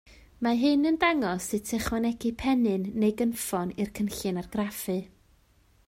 Mae hyn yn dangos sut i ychwanegu pennyn neu gynffon i'r cynllun argraffu.